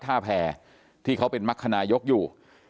พุธท่าแพติดกับวัดท่าแพที่เขาเป็นมัฆษณายกอยู่